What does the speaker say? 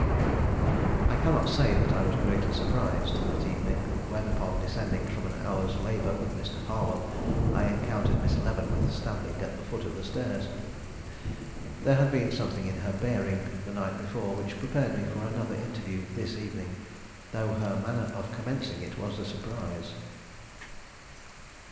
I cannot say I was greatly surprised, that evening, when, upon descending from an hour's labor with Mr. Harwell, I encountered Miss Leavenworth standing at the foot of the stairs. There had been something in her bearing, the night before, which prepared me for another interview this evening, though her manner of commencing it was a surprise.